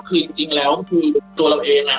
คือจริงแล้วคือตัวเราเอง